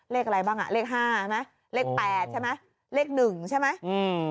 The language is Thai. เลขอะไรบ้างอ่ะเลขห้าใช่ไหมเลขแปดใช่ไหมเลขหนึ่งใช่ไหมอืม